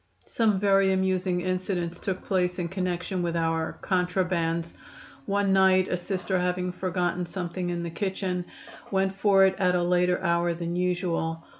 Some very amusing incidents took place in connection with our "contrabands." One night a Sister, having forgotten something in the kitchen, went for it at a later hour than usual.